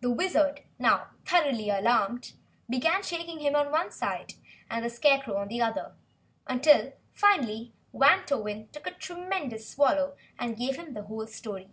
The Wizard, now thoroughly alarmed, began shaking him on one side and the Scarecrow on the other, until finally Wantowin took a tremendous swallow and gave them the whole story.